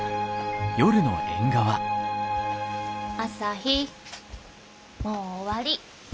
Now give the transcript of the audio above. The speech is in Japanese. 朝陽もう終わり。